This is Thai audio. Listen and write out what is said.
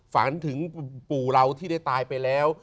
ฝันถึงปู่เราที่ได้ตายไปแล้ว